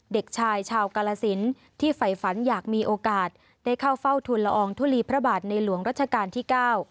เด็กชายชาวกาลสินที่ฝ่ายฝันอยากมีโอกาสได้เข้าเฝ้าทุนละอองทุลีพระบาทในหลวงรัชกาลที่๙